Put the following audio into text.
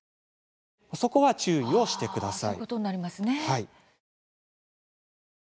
そこは注意をしてください。